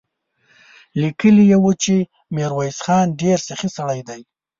ليکلي يې و چې ميرويس خان ډېر سخي سړی دی.